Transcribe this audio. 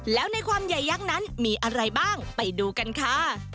แล้วในความใหญ่ยักษ์นั้นมีอะไรบ้างไปดูกันค่ะ